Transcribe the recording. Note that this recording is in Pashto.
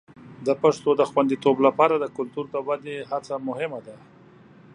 د پښتو د خوندیتوب لپاره د کلتور د ودې هڅه مهمه ده.